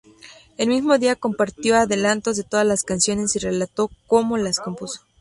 El mismo día compartió adelantos de todas las canciones y relató cómo las compuso.